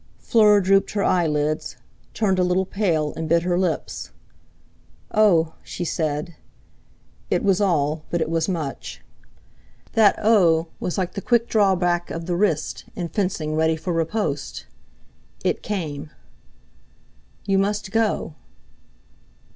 Fleur drooped her eyelids; turned a little pale, and bit her lips. "Oh!" she said. It was all, but it was much. That "Oh!" was like the quick drawback of the wrist in fencing ready for riposte. It came. "You must go!"